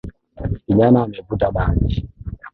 Kijana amevuta bangi